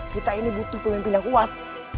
kita ini butuh pemimpin yang kuat